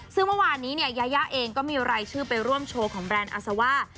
ซึ่งวันนี้ยาย่าเองก็มีรายชื่อไปร่วมโชว์ของแบรนด์อาซาวา